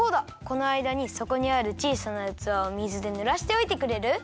このあいだにそこにあるちいさなうつわを水でぬらしておいてくれる？